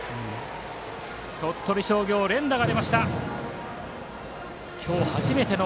鳥取商業、連打が出ました。